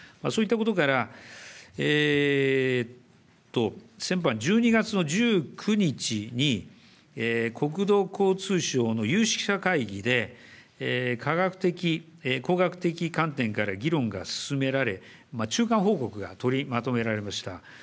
そういったことから、先般、１２月の１９日に、国土交通省の有識者会議で、科学的工学的観点から議論が進められ、中間報告が取りまとめられました。